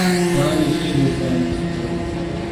Sana bir şey göstermek istiyorum.